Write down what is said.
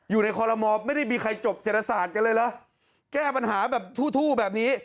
อยู่ในคอลโมไม่ได้มีใครจบเศรษฐศาสตร์กันเลยเหรอแก้ปัญหาแบบทู่แบบนี้